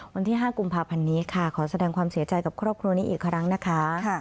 วันที่๕กุมภาพันธ์นี้ค่ะขอแสดงความเสียใจกับครอบครัวนี้อีกครั้งนะคะ